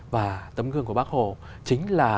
và tấm gương của bác hồ chính là